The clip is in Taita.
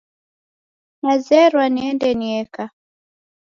Nazerwa niende nieka